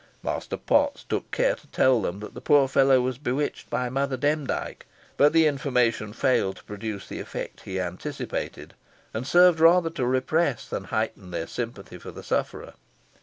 Master Potts took care to tell them that the poor fellow was bewitched by Mother Demdike; but the information failed to produce the effect he anticipated, and served rather to repress than heighten their sympathy for the sufferer.